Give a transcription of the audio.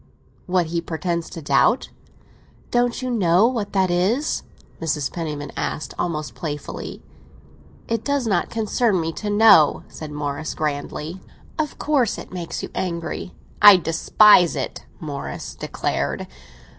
"What he pretends to doubt?" "Don't you know what that is?" Mrs. Penniman asked almost playfully. "It does not concern me to know," said Morris grandly. "Of course it makes you angry." "I despise it," Morris declared.